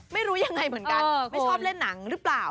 ไม่รู้ยังไงเหมือนกันไม่ชอบเล่นหนังหรือเปล่า